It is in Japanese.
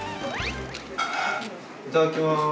いただきます。